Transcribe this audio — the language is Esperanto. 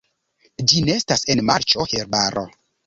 Ĝi nestas en marĉo, herbaro.